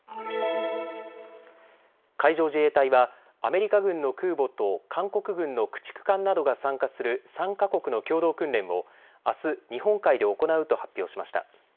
海上自衛隊はアメリカ軍の空母と韓国軍の駆逐艦などが参加する３か国の共同訓練をあす日本海で行うと発表しました。